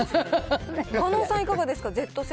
狩野さん、いかがですか？